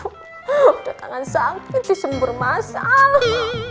udah kangen sakit disembur masalah